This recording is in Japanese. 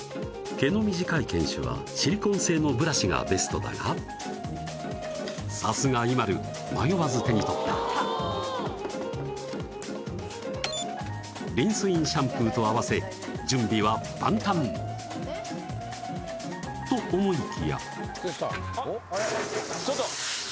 毛の短い犬種はシリコン製のブラシがベストだがさすがＩＭＡＬＵ迷わず手に取ったリンスインシャンプーと合わせ準備は万端と思いきやどうした？